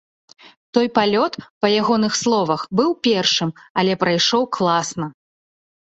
Той палёт, па ягоных словах, быў першым, але прайшоў класна.